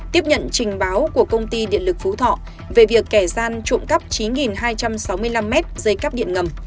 tiếp nhận trình báo của công ty điện lực phú thọ về việc kẻ gian trộm cắp chín hai trăm sáu mươi năm mét dây cắp điện ngầm